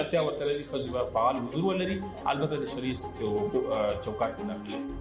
saya ingin bertanya kepada anda saya ingin bertanya kepada anda